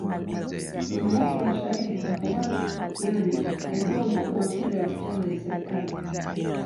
Mama yake, mshairi Khawar Kiani, alikuwa mkuu wa shule ya wasichana ya serikali.